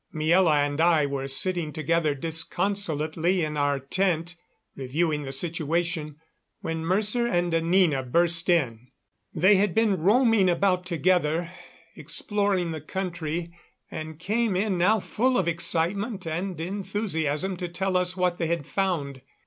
Miela and I were sitting together disconsolately in our tent, reviewing the situation, when Mercer and Anina burst in. They had been roaming about together, exploring the country, and came in now full of excitement and enthusiasm to tell us what they had found.